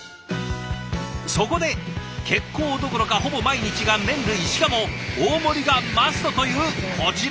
そこで結構どころかほぼ毎日が麺類しかも大盛りがマストというこちら。